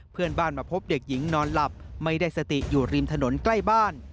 เพื่อนบ้านมาพบเด็กหญิงนอนหลับไม่ได้สติอยู่ริมถนนใกล้บ้าน